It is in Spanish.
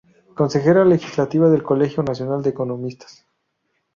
Consejera Legislativa del Colegio Nacional de Economistas.